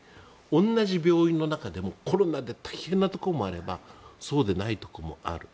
同じ病院の中でもコロナで大変なところもあればそうでないところもある。